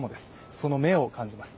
その目を感じます。